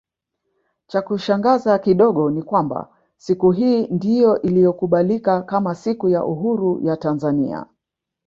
Chakushangaza kidogo ni kwamba siku hii ndio iliyokubalika kama siku ya uhuru ya Tanzania